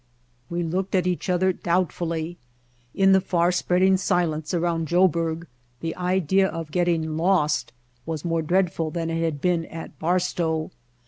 We looked at each other doubtfully. In the far spreading silence around Joburg the idea of getting lost was more dreadful than it had been at Barstow.